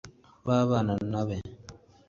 babana nawe